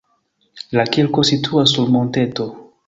La kirko situas sur monteto.